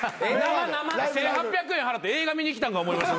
１，８００円払って映画見に来たんか思いました。